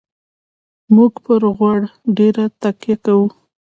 موږ پر غوړ ډېره تکیه کوو.